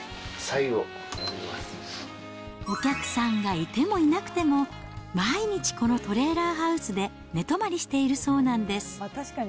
お客さんがいてもいなくても、毎日、このトレーラーハウスで寝泊まりしているそうなんです。